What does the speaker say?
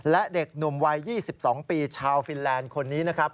และเด็กหนุ่มวัย๒๒ปีชาวฟินแลนด์คนนี้นะครับ